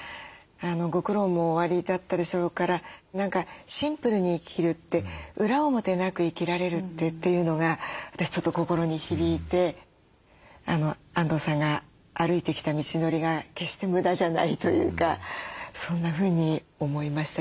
ご苦労もおありだったでしょうから何かシンプルに生きるって裏表なく生きられるというのが私ちょっと心に響いてあんどうさんが歩いてきた道のりが決して無駄じゃないというかそんなふうに思いましたけど。